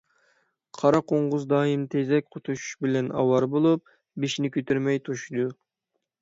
قارا قوڭغۇز دائىم تېزەك توشۇش بىلەن ئاۋارە بولۇپ، بېشىنى كۆتۈرمەي توشۇيدۇ.